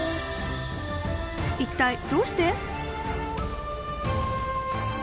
一体どうして？